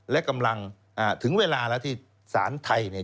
และกำลังถึงเวลาแล้วที่สารไทยเนี่ย